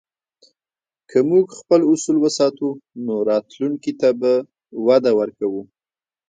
که موږ خپل اصول وساتو، نو راتلونکي ته به وده ورکوو.